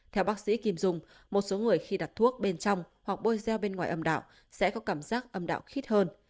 theo bác sĩ kim dung một số người khi đặt thuốc bên trong hoặc bôi gieo bên ngoài âm đạo sẽ có cảm giác âm đạo khít hơn